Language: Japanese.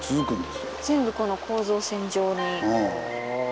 全部この構造線上に。